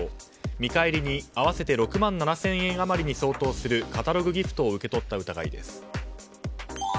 見返りに合わせて６万７０００円余りに相当するカタログギフトを受け取った疑いです。